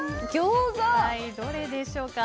一体どれでしょうか。